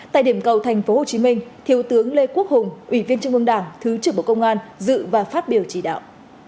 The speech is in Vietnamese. tại điểm cầu tp hcm thiếu tướng lê quốc hùng ủy viên trung ương đảng thứ trưởng bộ công an dự và phát biểu chỉ đạo